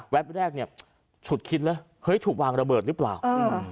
แรกเนี่ยฉุดคิดเลยเฮ้ยถูกวางระเบิดหรือเปล่าอืม